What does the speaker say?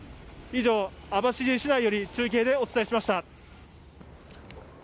以上、網走市内より中継でお伝えしました。